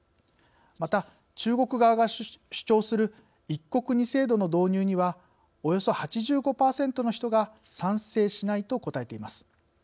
また、中国側が主張する「一国二制度」の導入にはおよそ８５％の人が「賛成しない」と答えています。